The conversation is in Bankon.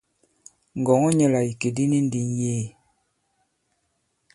Ngɔ̀ŋɔ nyɛ la ìkè di ni ndi ŋ̀yee.